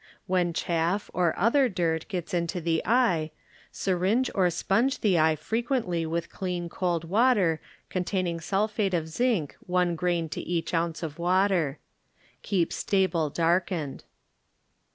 When chaff or other dirt gets into the eye syringe or sponge the eye fre quently with clean cold water contain ing sulphate of zinc one grain to each ounce of water. Keep stable darkened.